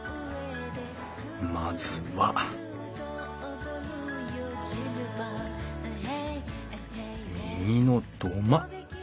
まずは右の土間。